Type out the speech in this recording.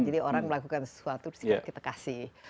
jadi orang melakukan sesuatu kita kasih